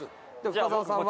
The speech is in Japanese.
深澤さんは。